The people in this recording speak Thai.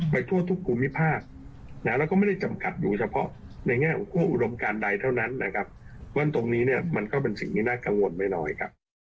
ไปทั่วทุกกุมีภาพแล้วก็ไม่ได้จำกัดอยู่เฉพาะในงานขั้นข้ออุรมการใดเท่านั้นนะครับวันตรงนี้มันแน่อกังวู่นไม่น้อยครับ